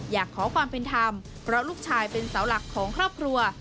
อยากขอความเป็นธรรมเพราะลูกชายเป็นเสาหลักของครอบครัว